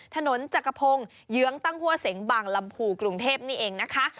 ถนนจักรพงศ์เยื้องตั้งหัวเสงบางลำพูกรุงเทพนี่เองนะคะ